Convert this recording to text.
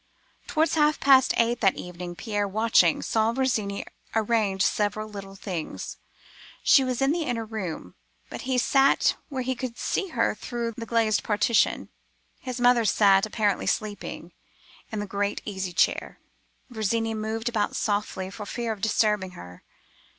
Towards half past eight that evening—Pierre, watching, saw Virginie arrange several little things—she was in the inner room, but he sat where he could see her through the glazed partition. His mother sat—apparently sleeping—in the great easy chair; Virginie moved about softly, for fear of disturbing her.